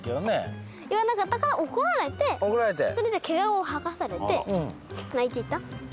言わなかったから怒られてそれで毛皮を剥がされて泣いていた。